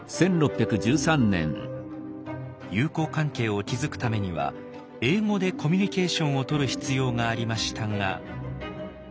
友好関係を築くためには英語でコミュニケーションをとる必要がありましたが。